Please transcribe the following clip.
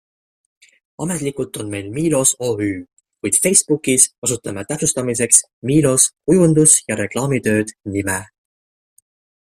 Ametlikult on meil Milos OÜ, kuid Facebookis kasutame täpsustamiseks Milos Kujundus- ja reklaamitööd nime.